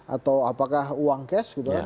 atau apakah uang cash gitu kan